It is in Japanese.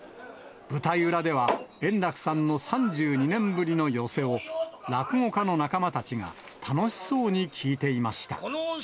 舞台裏では、円楽さんの３２年ぶりの寄席を、落語家の仲間たちが楽しそうに聞いていました。